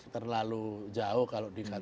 terlalu jauh kalau dibilang